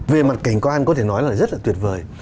về mặt cảnh quan có thể nói là rất là tuyệt vời